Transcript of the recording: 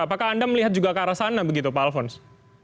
apakah anda melihat juga ke arah sana begitu pak alfons